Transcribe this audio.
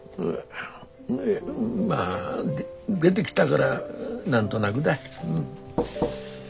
まあ出できたがら何となぐだ。